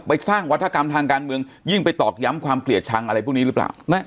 สร้างวัฒกรรมทางการเมืองยิ่งไปตอกย้ำความเกลียดชังอะไรพวกนี้หรือเปล่า